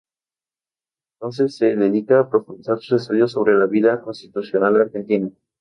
Desde entonces se dedica a profundizar sus estudios sobre la vida constitucional argentina.